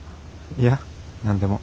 いや何でも。